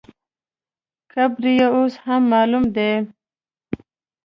قبر یې اوس هم معلوم دی.